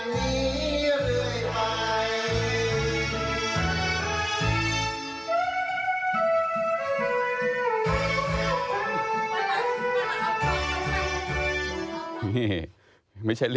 นี่ไม่ใช่ลิฟต์กับออยนะโอ้โหคุณเปลี่ยนเทียบขนาดนั้นเลยนะ